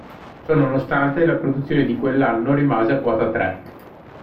Ciononostante la produzione di quell'anno rimase a quota tre.